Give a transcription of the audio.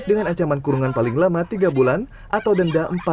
dengan ancaman kurungan paling lama tiga bulan atau denda empat lima juta rupiah